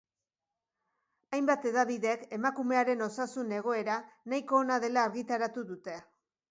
Hainbat hedabidek emakumearen osasun egoera nahiko ona dela argitaratu dute.